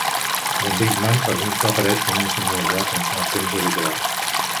El Big bang, per exemple, apareix com una singularitat en el temps habitual.